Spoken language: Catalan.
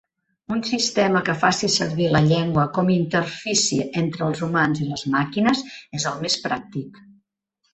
Un sistema que faci servir la llengua com interfície entre els humans i les màquines és el més pràctic.